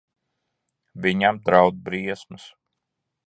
Viņam draud briesmas.